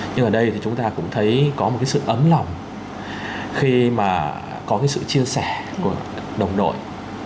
nhưng ở đây thì chúng ta cũng thấy có một cái sự ấm lòng khi mà có cái sự chia sẻ của đồng đội